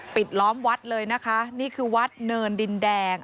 ล้อมวัดเลยนะคะนี่คือวัดเนินดินแดง